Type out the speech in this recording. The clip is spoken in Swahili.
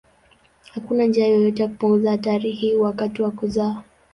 Hakuna njia yoyote ya kupunguza hatari hii wakati wa kuzaa.